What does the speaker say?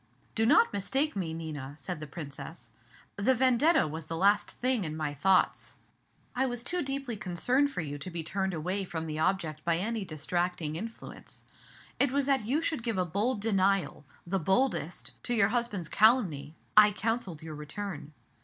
"Do not mistake me, Nina," said the Princess, "the 'Vendetta' was the last thing in my thoughts. I was too deeply concerned for you to be turned away from my object by any distracting influence. It was that you should give a bold denial the boldest to your husband's calumny, I counselled your return.